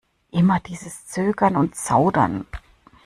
Immer dieses Zögern und Zaudern!